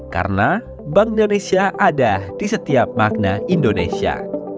karena bank indonesia ada di setiap magna indonesia